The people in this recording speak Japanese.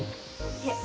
いえ。